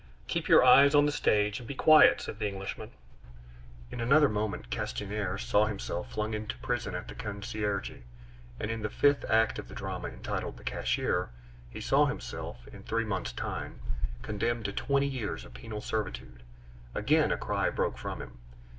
"Keep your eyes on the stage, and be quiet!" said the Englishman. In another moment Castanier saw himself flung into prison at the Conciergerie; and in the fifth act of the drama, entitled The Cashier, he saw himself, in three months' time, condemned to twenty years of penal servitude. Again a cry broke from him.